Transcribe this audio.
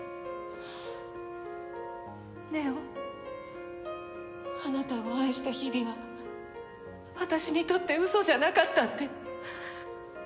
祢音あなたを愛した日々は私にとってウソじゃなかったって。